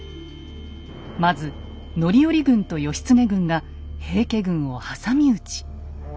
まず範頼軍と義経軍が平家軍を挟み撃ち。